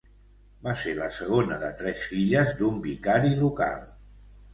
Va ser la segona de tres filles d'un vicari local.